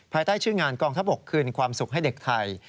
ภายใต้ชื่องานกองทัพบกคืนความสุขให้เด็กไทย